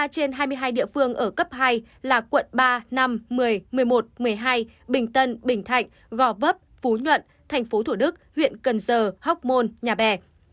một mươi trên hai mươi hai địa phương ở cấp hai là quận ba năm một mươi một mươi một một mươi hai bình tân bình thạnh gò vấp phú nhuận tp thủ đức huyện cần giờ học môn nhà bè